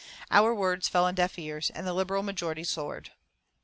Our words fell on deaf ears, and the Liberal majorities soared.